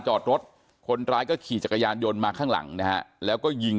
จอดรถคนร้ายก็ขี่จักรยานยนต์มาข้างหลังนะฮะแล้วก็ยิง